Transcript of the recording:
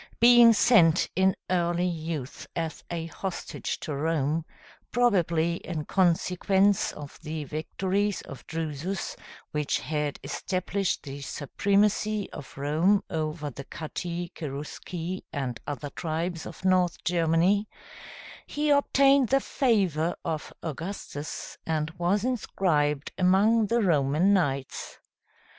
Being sent in early youth as a hostage to Rome, probably in consequence of the victories of Drusus, which had established the supremacy of Rome over the Catti, Cherusci, and other tribes of North Germany, he obtained the favor of Augustus, and was inscribed among the Roman knights.